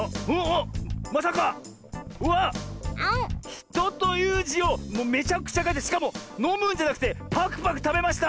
「ひと」というじをもうめちゃくちゃかいてしかものむんじゃなくてパクパクたべました。